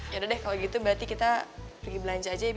yaudah deh kalau gitu berarti kita pergi belanja aja